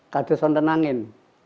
kata kata yang lain